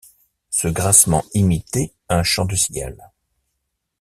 Ce grincement imitait un chant de cigale.